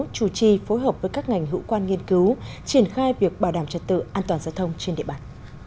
chủ trì phối hợp với các ngành hữu quan nghiên cứu triển khai việc bảo đảm trật tự an toàn giao thông trên địa bàn